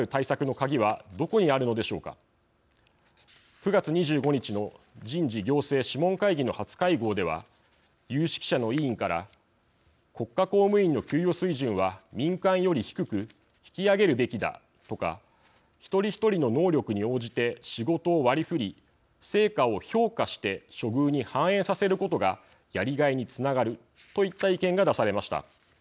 ９月２５日の人事行政諮問会議の初会合では有識者の委員から「国家公務員の給与水準は民間より低く引き上げるべきだ」とか「一人一人の能力に応じて仕事を割り振り成果を評価して処遇に反映させることがやりがいにつながる」といった意見が出されました。